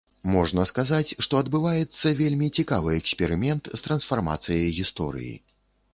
Можна сказаць, што адбываецца вельмі цікавы эксперымент з трансфармацыяй гісторыі.